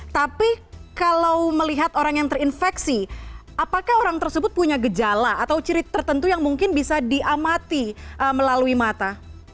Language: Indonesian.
tapi kalau melihat orang yang terinfeksi apakah orang tersebut punya gejala atau ciri tertentu yang mungkin bisa diamati melalui mata